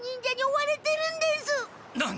何！？